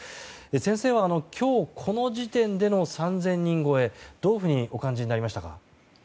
先生は今日この時点での３０００人超えどういうふうにお感じになりましたか。